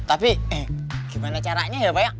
tapi gimana caranya ya pak ya